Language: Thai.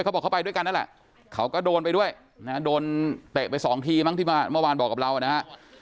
เขาบอกเขาไปด้วยกันนั่นแหละเขาก็โดนไปด้วยนะโดนเตะไปสองทีมั้งที่เมื่อวานบอกกับเรานะฮะ